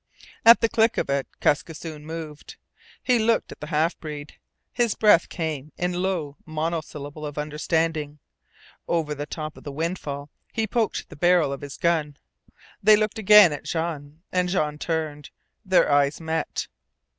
At the click of it Kaskisoon moved. He looked at the half breed. His breath came in a low monosyllable of understanding. Over the top of the windfall he poked the barrel of his gun. Then he looked again at Jean. And Jean turned. Their eyes met.